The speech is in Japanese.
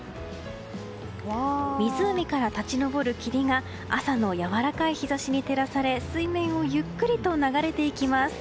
湖から立ち上る霧が朝のやわらかい日差しに照らされ水面をゆっくりと流れていきます。